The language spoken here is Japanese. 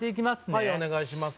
はいお願いします